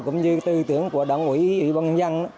cũng như tư tưởng của đảng ủy ủy băng dân